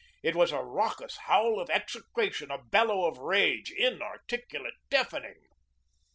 It was a raucous howl of execration, a bellow of rage, inarticulate, deafening.